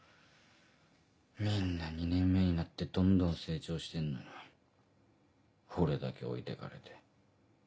みんな２年目になってどんどん成長してんのに俺だけ置いてかれて。